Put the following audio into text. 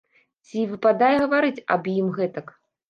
Ці выпадае гаварыць аб ім гэтак?